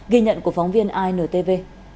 ghi nhận của phóng viên intv